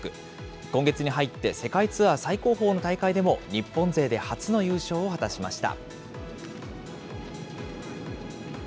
今月に入って、世界ツアー最高峰の大会でも、日本勢で初の優勝を果たしました。